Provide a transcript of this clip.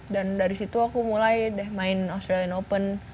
dan dari situ aku mulai deh main australian open